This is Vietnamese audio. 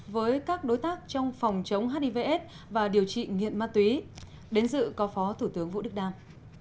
với các đối tác trong phòng chống hivs và điều trị nghiện ma túy đến dự có phó thủ tướng vũ đức đam